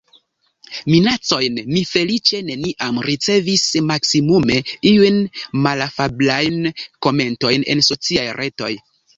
Minacojn mi feliĉe neniam ricevis, maksimume iujn malafablajn komentojn en sociaj retoj.